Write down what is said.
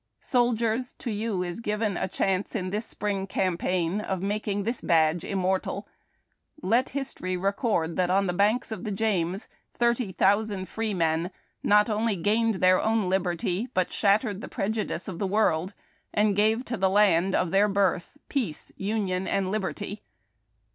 Soldiers! to you is given a chance in this Spring Campaign of making this badge immortal. Let History record that on the banks of the James thirty thousand freemen not only gained their own liberty but shattered the prejudice of the world, and gave to the Land of their birth Peace, Union, and Liberty.